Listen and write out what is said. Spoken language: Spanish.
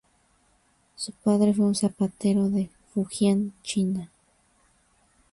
Su padre fue un zapatero de Fujian, China.